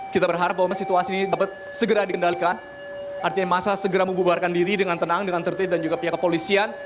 kita berharap bahwa situasi ini dapat segera dikendalikan artinya masa segera membubarkan diri dengan tenang dengan tertib dan juga pihak kepolisian